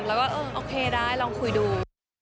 แล้วก็เออโอเคได้ลองคุยดู